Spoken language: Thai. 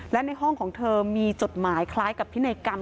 และในห้องของเธอมีจดหมายคล้ายกับพินัยกรรม